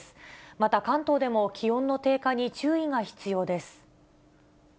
また関東でも気温の低下に注意が必要です。